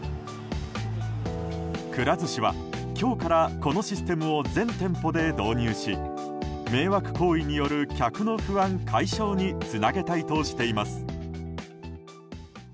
くら寿司は今日からこのシステムを全店舗で導入し迷惑行為による客の不安解消につなげたいとしています。